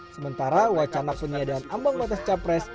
sementara wacana peniadaan ambang batas capres